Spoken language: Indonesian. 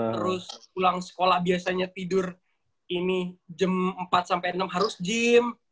terus pulang sekolah biasanya tidur ini jam empat sampai enam harus gym